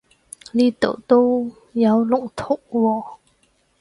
呢度都有龍圖喎